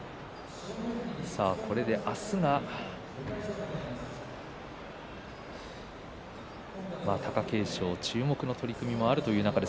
これで明日は貴景勝、注目の取組があるという中です。